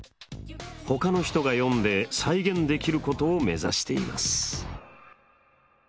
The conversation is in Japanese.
ほかの人が読んで再現できることを目指しています。